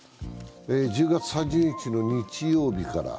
１０月３０日の日曜日から。